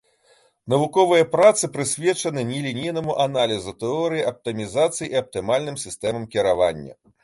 Навуковыя працы прысвечаны нелінейнаму аналізу, тэорыі аптымізацыі і аптымальным сістэмам кіравання.